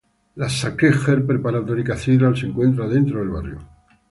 La "Sacred Heart Preparatory Cathedral" se encuentra dentro del barrio.